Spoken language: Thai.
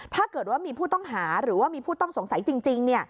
ถ้าเกิดว่ามีผู้ต้องหาหรือว่ามีผู้ต้องสงสัยจริง